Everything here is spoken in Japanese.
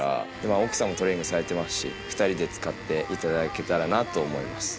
今奥さんもトレーニングされてますし２人で使っていただけたらなと思います。